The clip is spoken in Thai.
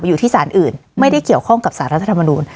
อยู่ที่สารอื่นไม่ได้เกี่ยวข้องกับสารรัฐธรรมนูล